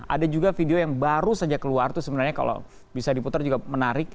ada juga video yang baru saja keluar itu sebenarnya kalau bisa diputar juga menarik